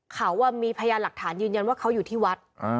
เขามีพยานหลักฐานยืนยันว่าเขาอยู่ที่วัด